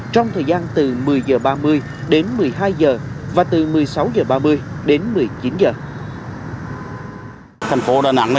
trong thời gian từ một mươi h ba mươi đến một mươi hai h